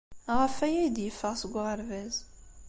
Ɣef waya ay d-yeffeɣ seg uɣerbaz.